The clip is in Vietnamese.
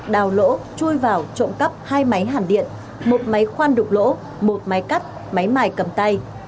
đào lỗ chui vào trộm cắp hai máy hàn điện một máy khoan đục lỗ một máy cắt máy mài cầm tay